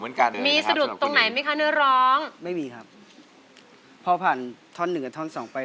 น่าจะเรียกว่ามั่นใจ